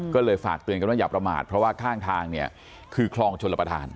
ก็เลยฝากเตือนกันว่าอย่าประมาทเพราะว่าข้างทางเนี่ยคือคลองชนระประธาน